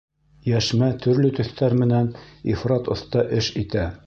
— Йәшмә төрлө төҫтәр менән ифрат оҫта эш итә.